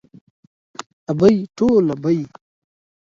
ابۍ ټوله بۍ.